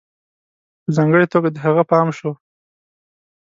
په ځانگړي توگه د هغه پام شو